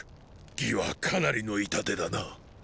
魏はかなりの痛手だな。